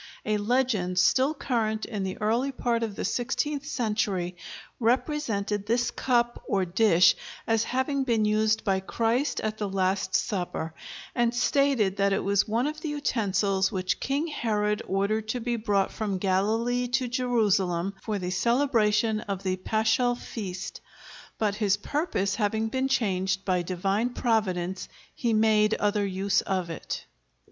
A legend still current in the early part of the sixteenth century represented this cup, or dish, as having been used by Christ at the Last Supper, and stated that it was one of the utensils which King Herod ordered to be brought from Galilee to Jerusalem for the celebration of the paschal feast; but his purpose having been changed by Divine Providence, he made other use of it.